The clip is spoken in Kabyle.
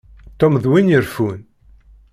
Tom d win ireffun.